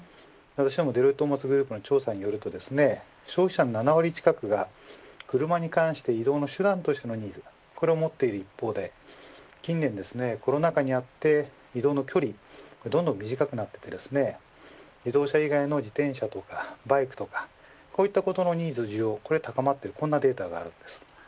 デロイトトーマツグループの調査によると消費者の７割近くが車に関して移動の手段としてのニーズ、これを持っている一方で近年ですね、コロナ禍にあって移動の距離どんどん短くなっていって自動車以外の自転車やバイクとかこういったことのニーズ、需要高まっているデータがあるんです。